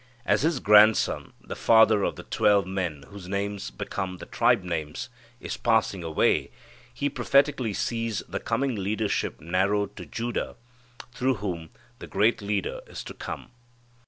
As his grandson, the father of the twelve men whose names become the tribe names, is passing away he prophetically sees the coming leadership narrowed to Judah, through whom the great Leader is to come.